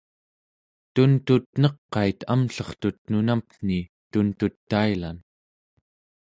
tuntut neqait amllertut nunamten̄i tuntutailan